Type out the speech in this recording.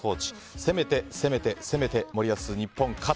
「攻めて攻めて攻めて森保日本勝つ」。